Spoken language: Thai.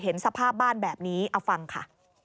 เห็นสภาพบ้านแบบนี้เอาฟังค่ะ